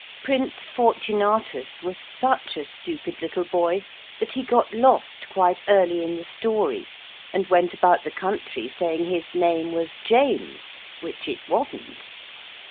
Prince Fortunatus was such a stupid little boy that he got lost quite early in the story, and went about the country saying his name was James, which it wasn't.